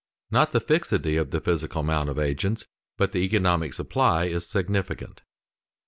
_Not the fixity of the physical amount of agents, but the economic supply is significant.